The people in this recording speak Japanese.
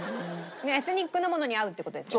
エスニックのものに合うっていう事ですよね？